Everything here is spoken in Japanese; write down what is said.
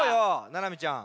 ななみちゃん。